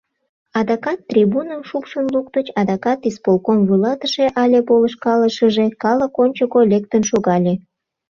Адакат трибуным шупшын луктыч, адакат исполком вуйлатыше але полышкалышыже калык ончыко лектын шогале.